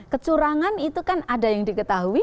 kecurangan itu kan ada yang diketahui